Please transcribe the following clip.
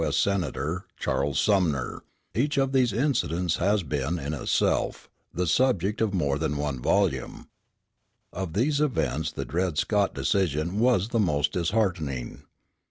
S. Senator] Charles Sumner, each of these incidents has been, in itself, the subject of more than one volume. Of these events the Dred Scott decision was the most disheartening.